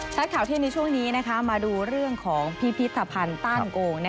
ข่าวเที่ยงในช่วงนี้มาดูเรื่องของพิพิธภัณฑ์ต้านโกง